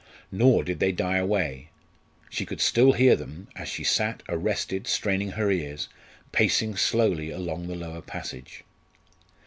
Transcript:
Nor did they die away. She could still hear them, as she sat, arrested, straining her ears, pacing slowly along the lower passage.